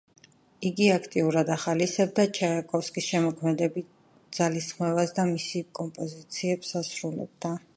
იგი აქტიურად ახალისებდა ჩაიკოვსკის შემოქმედებით ძალისხმევას და მისი კომპოზიციებს ასრულებდა.